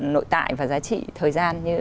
nội tại và giá trị thời gian như